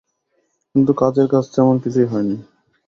কিন্তু কাজের কাজ তেমন কিছুই হয়নি।